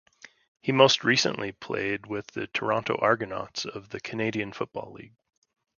He most recently played with the Toronto Argonauts of the Canadian Football League.